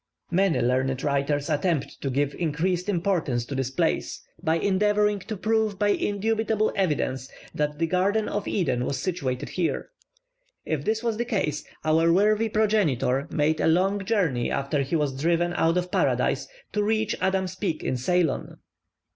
Many learned writers attempt to give increased importance to this place, by endeavouring to prove by indubitable evidence that the garden of Eden was situated here. If this was the case, our worthy progenitor made a long journey after he was driven out of Paradise, to reach Adam's Peak in Ceylon.